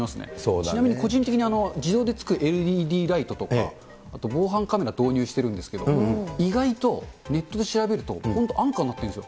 ちなみに個人的に自動でつくＬＥＤライトとか、あと防犯カメラ導入してるんですけど、意外とネットで調べると、本当、安価になってるんですよ。